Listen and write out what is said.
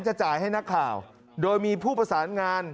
จะจ่ายให้นักข่าวโดยมีผู้ประสานงาน